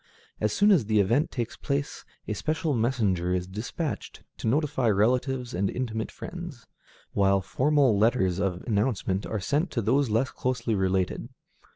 As soon as the event takes place, a special messenger is dispatched to notify relatives and intimate friends, while formal letters of announcement are sent to those less closely related.